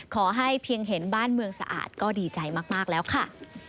เพียงเห็นบ้านเมืองสะอาดก็ดีใจมากแล้วค่ะ